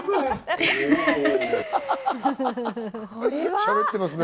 しゃべってますね。